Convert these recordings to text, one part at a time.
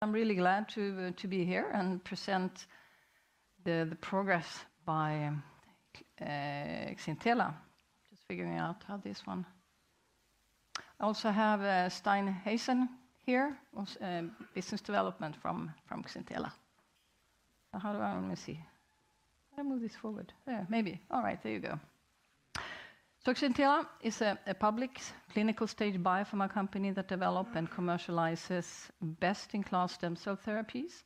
I'm really glad to be here and present the progress by Xintela. I also have Stijn Heessen here, business development from Xintela. So Xintela is a public clinical-stage biopharma company that develops and commercializes best-in-class stem cell therapies,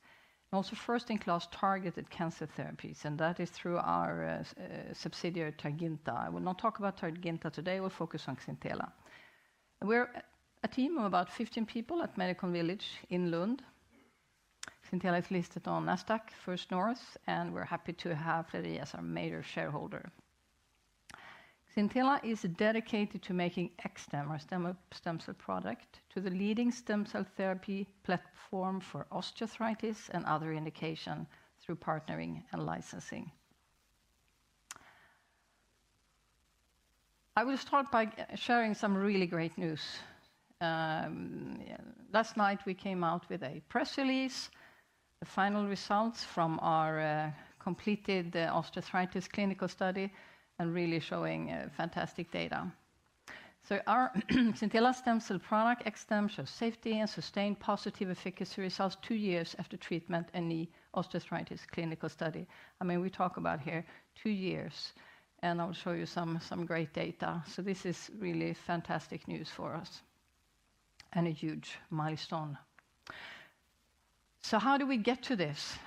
and also first-in-class targeted cancer therapies, and that is through our subsidiary Targinta. I will not talk about Targinta today; we'll focus on Xintela. We're a team of about 15 people at Medicon Village in Lund. Xintela is listed on Nasdaq First North, and we're happy to have Flerie as our major shareholder. Xintela is dedicated to making XSTEM, our stem cell product, to the leading stem cell therapy platform for osteoarthritis and other indications through partnering and licensing. I will start by sharing some really great news. Last night we came out with a press release, the final results from our completed osteoarthritis clinical study, and really showing fantastic data, so our Xintela stem cell product, XSTEM, shows safety and sustained positive efficacy results two years after treatment in the osteoarthritis clinical study. I mean, we talk about here two years, and I'll show you some great data, so this is really fantastic news for us and a huge milestone. How do we get to this?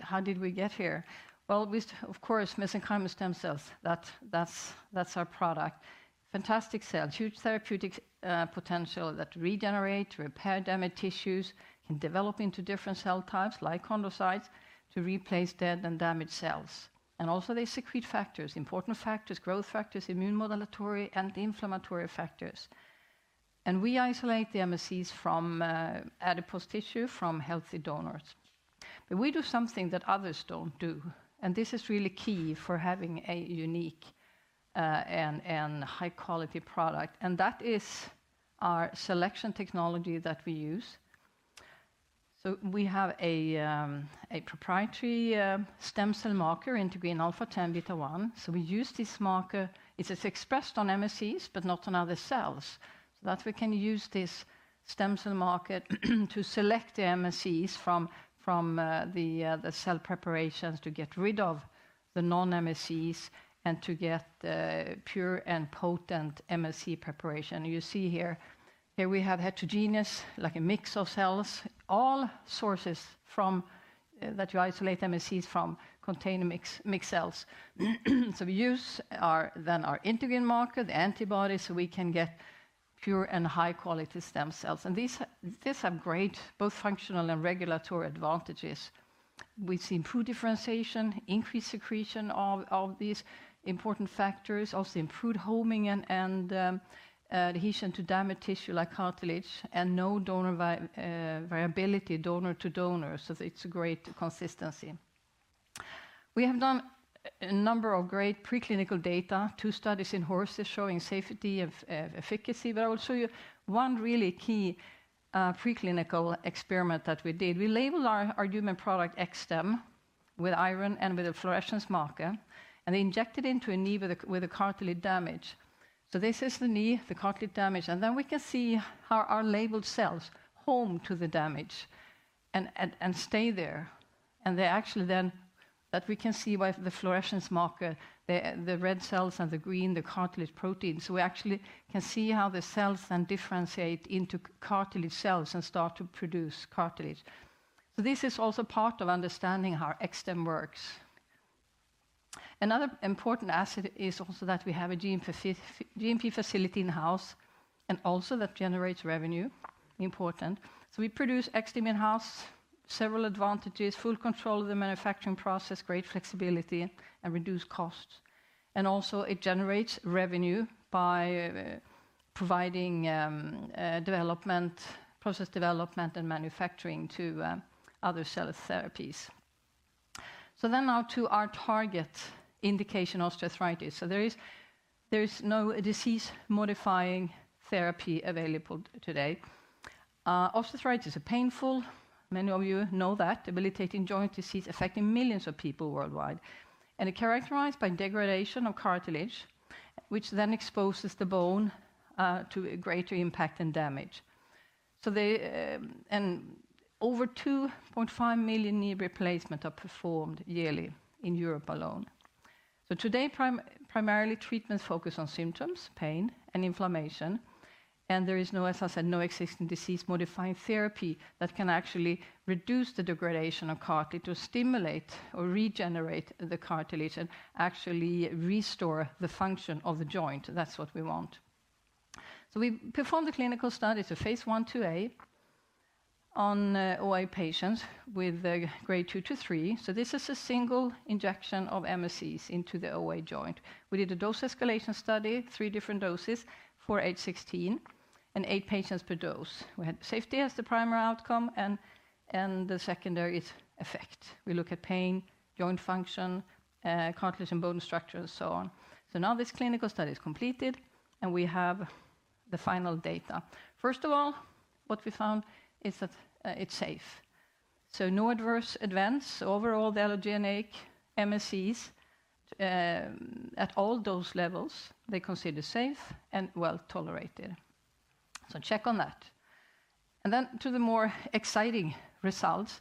How did we get here? Well, of course, mesenchymal stem cells, that's our product. Fantastic cells, huge therapeutic potential that regenerate, repair damaged tissues, and develop into different cell types like chondrocytes to replace dead and damaged cells. And also they secrete factors, important factors, growth factors, immunomodulatory, and inflammatory factors. And we isolate the MSCs from adipose tissue from healthy donors. But we do something that others don't do, and this is really key for having a unique and high-quality product, and that is our selection technology that we use. So we have a proprietary stem cell marker integrin α10β1. So we use this marker. It's expressed on MSCs but not on other cells. So that we can use this stem cell marker to select the MSCs from the cell preparations to get rid of the non-MSCs and to get pure and potent MSC preparation. You see here, here we have heterogeneous, like a mix of cells, all sources from that you isolate MSCs from contain a mixed cells. So we use then our integrin marker, the antibody, so we can get pure and high-quality stem cells. And these have great both functional and regulatory advantages. We've seen improved differentiation, increased secretion of these important factors, also improved homing and adhesion to damaged tissue like cartilage, and no donor-to-donor variability, so it's a great consistency. We have done a number of great preclinical data, two studies in horses showing safety and efficacy, but I'll show you one really key preclinical experiment that we did. We labeled our human product XSTEM with iron and with a fluorescence marker, and then injected into a knee with a cartilage damage. So this is the knee, the cartilage damage, and then we can see how our labeled cells home to the damage and stay there. And then, actually, we can see by the fluorescence marker, the red cells and the green, the cartilage protein, so we actually can see how the cells then differentiate into cartilage cells and start to produce cartilage. This is also part of understanding how XSTEM works. Another important asset is also that we have a GMP facility in-house and also that generates revenue, important. We produce XSTEM in-house, several advantages, full control of the manufacturing process, great flexibility, and reduced costs. And also it generates revenue by providing development, process development, and manufacturing to other cell therapies. Then now to our target indication of osteoarthritis. There is no disease-modifying therapy available today. Osteoarthritis is painful, many of you know that, debilitating joint disease affecting millions of people worldwide, and it's characterized by degradation of cartilage, which then exposes the bone to greater impact and damage. Over 2.5 million knee replacements are performed yearly in Europe alone. So today, primarily treatments focus on symptoms, pain, and inflammation, and there is no, as I said, no existing disease-modifying therapy that can actually reduce the degradation of cartilage or stimulate or regenerate the cartilage and actually restore the function of the joint. That's what we want. So we performed the clinical studies of phase I/IIa on OA patients with grade 2 to 3. So this is a single injection of MSCs into the OA joint. We did a dose escalation study, three different doses, four, eight, 16, and eight patients per dose. We had safety as the primary outcome and the secondary effect. We look at pain, joint function, cartilage and bone structure, and so on. So now this clinical study is completed and we have the final data. First of all, what we found is that it's safe. No adverse events overall the allogeneic MSCs at all dose levels. They're considered safe and well tolerated. Check on that. Then, to the more exciting results,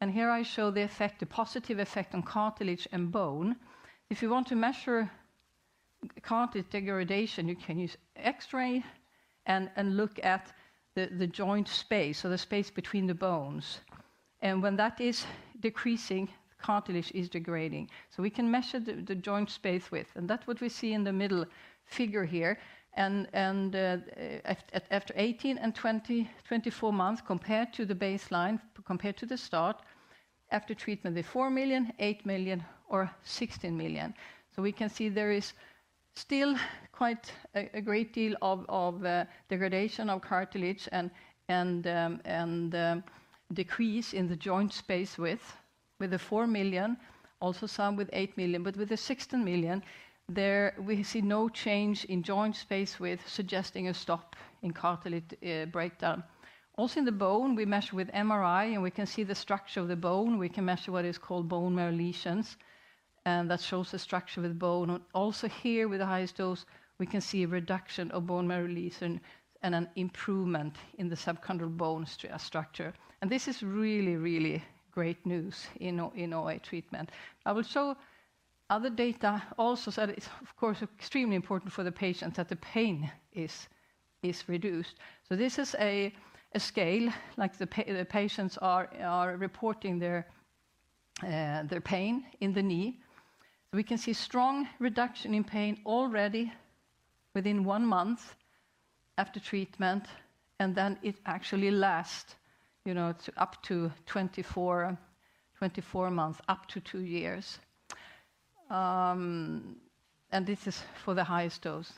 here I show the effect, the positive effect on cartilage and bone. If you want to measure cartilage degradation, you can use X-ray and look at the joint space, the space between the bones. When that is decreasing, cartilage is degrading. We can measure the joint space width, and that's what we see in the middle figure here. After 18 and 24 months, compared to the baseline, compared to the start, after treatment, 4 million, 8 million, or 16 million. So we can see there is still quite a great deal of degradation of cartilage and decrease in the joint space width with the 4 million, also some with 8 million, but with the 16 million, we see no change in joint space width suggesting a stop in cartilage breakdown. Also in the bone, we measure with MRI and we can see the structure of the bone. We can measure what is called bone marrow lesions, and that shows the structure of the bone. Also here, with the highest dose, we can see a reduction of bone marrow lesion and an improvement in the subchondral bone structure. And this is really, really great news in OA treatment. I will show other data also that it's, of course, extremely important for the patients that the pain is reduced. This is a scale like the patients are reporting their pain in the knee. We can see strong reduction in pain already within one month after treatment, and then it actually lasts up to 24 months, up to two years. This is for the highest dose.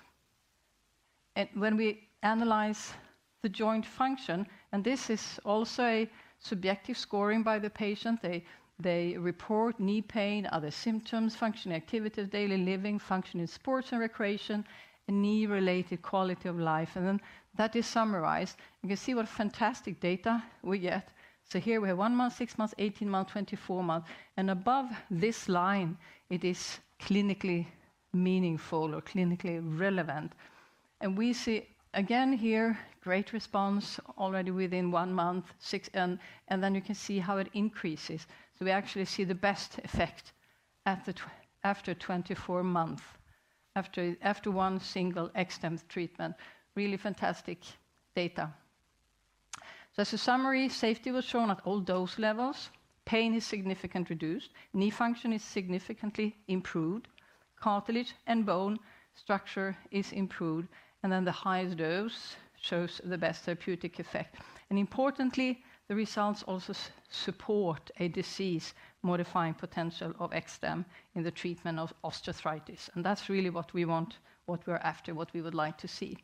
When we analyze the joint function, and this is also a subjective scoring by the patient, they report knee pain, other symptoms, functioning activities of daily living, functioning in sports and recreation, and knee-related quality of life. Then that is summarized. You can see what fantastic data we get. Here we have one month, six months, 18 months, 24 months. Above this line, it is clinically meaningful or clinically relevant. We see again here, great response already within one month, six months, and then you can see how it increases. So we actually see the best effect after 24 months, after one single XSTEM treatment. Really fantastic data. So as a summary, safety was shown at all dose levels. Pain is significantly reduced. Knee function is significantly improved. Cartilage and bone structure is improved. And then the highest dose shows the best therapeutic effect. And importantly, the results also support a disease-modifying potential of XSTEM in the treatment of osteoarthritis. And that's really what we want, what we're after, what we would like to see.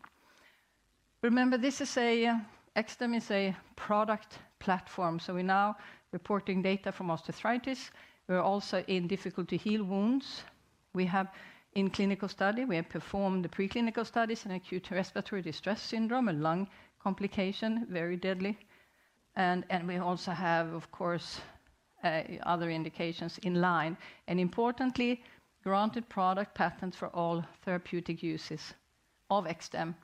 Remember, XSTEM is a product platform. So we're now reporting data from osteoarthritis. We're also in difficult-to-heal wounds. In clinical study, we have performed the preclinical studies in acute respiratory distress syndrome, a lung complication, very deadly. And we also have, of course, other indications in line. And importantly, granted product patents for all therapeutic uses of XSTEM.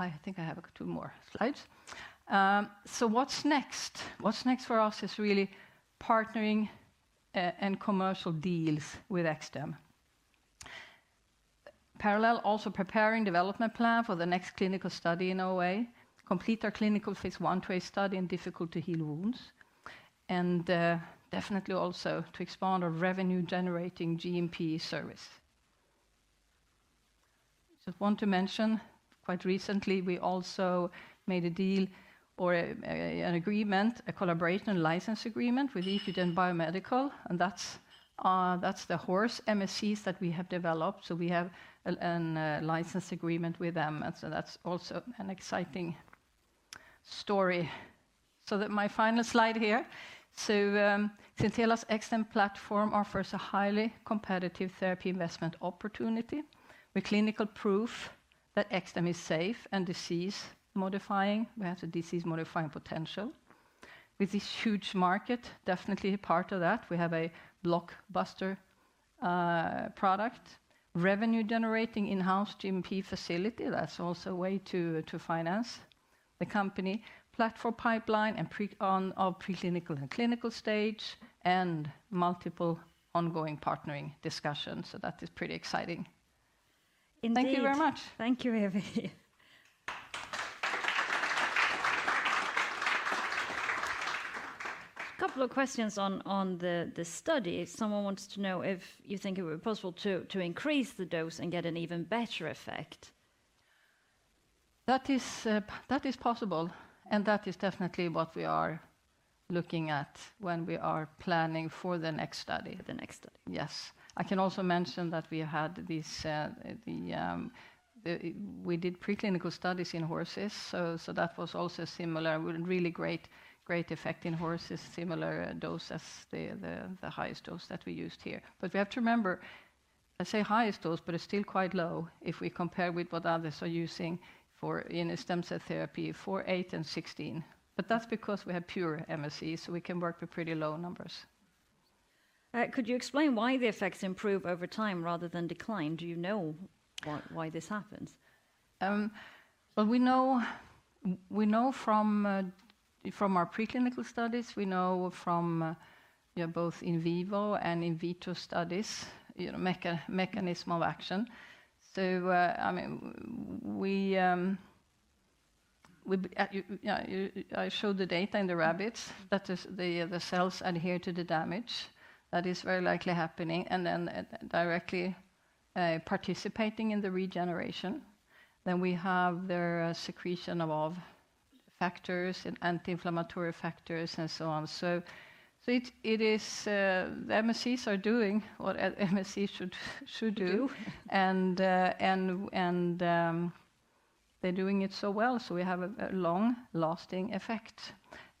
I think I have two more slides. So what's next? What's next for us is really partnering and commercial deals with XSTEM. Parallel, also preparing development plan for the next clinical study in OA, complete our clinical phase I/IIa study in difficult-to-heal wounds, and definitely also to expand our revenue-generating GMP service. Just want to mention, quite recently, we also made a deal or an agreement, a collaboration license agreement with EQGen Biomedical, and that's the horse MSCs that we have developed. So we have a license agreement with them, and so that's also an exciting story. So my final slide here. So Xintela's XSTEM platform offers a highly competitive therapy investment opportunity. We have clinical proof that XSTEM is safe and disease-modifying. We have the disease-modifying potential. With this huge market, definitely a part of that, we have a blockbuster product, revenue-generating in-house GMP facility. That's also a way to finance the company. Platform pipeline and preclinical and clinical-stage and multiple ongoing partnering discussions, so that is pretty exciting. Thank you very much. Thank you, Evy. A couple of questions on the study. Someone wants to know if you think it would be possible to increase the dose and get an even better effect. That is possible, and that is definitely what we are looking at when we are planning for the next study. For the next study. Yes. I can also mention that we had these, we did preclinical studies in horses, so that was also similar, really great effect in horses, similar dose as the highest dose that we used here. But we have to remember, I say highest dose, but it's still quite low if we compare with what others are using for in stem cell therapy, four, eight, and 16. But that's because we have pure MSCs, so we can work with pretty low numbers. Could you explain why the effects improve over time rather than decline? Do you know why this happens? Well, we know from our preclinical studies. We know from both in vivo and in vitro studies, mechanism of action. So I showed the data in the rabbits, that the cells adhere to the damage that is very likely happening and then directly participating in the regeneration. Then we have their secretion of factors and anti-inflammatory factors and so on. So the MSCs are doing what MSCs should do, and they're doing it so well. So we have a long-lasting effect.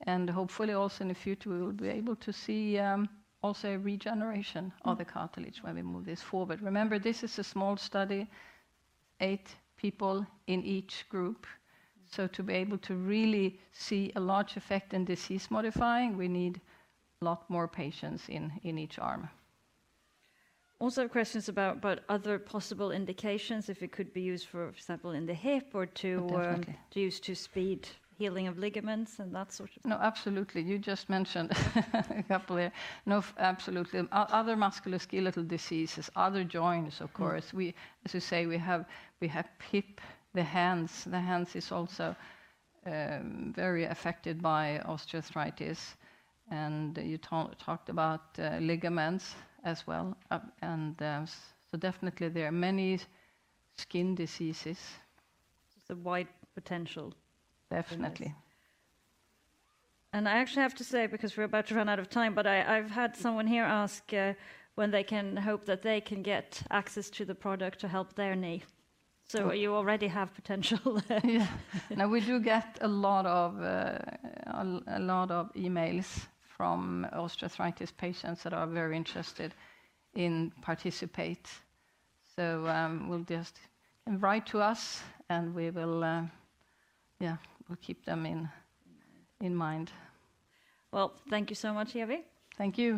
And hopefully also in the future, we will be able to see also a regeneration of the cartilage when we move this forward. Remember, this is a small study, eight people in each group. So to be able to really see a large effect in disease-modifying, we need a lot more patients in each arm. Also, questions about other possible indications if it could be used for, for example, in the hip or to use to speed healing of ligaments and that sort of thing. No, absolutely. You just mentioned a couple there. No, absolutely. Other musculoskeletal diseases, other joints, of course. As you say, we have hip, the hands. The hands are also very affected by osteoarthritis. And you talked about ligaments as well. And so definitely there are many skin diseases. There's a wide potential. Definitely. And I actually have to say, because we're about to run out of time, but I've had someone here ask when they can hope that they can get access to the product to help their knee. So you already have potential there. Yeah. Now we do get a lot of emails from osteoarthritis patients that are very interested in participating. So just write to us and we will, yeah, we'll keep them in mind. Well, thank you so much, Evy. Thank you.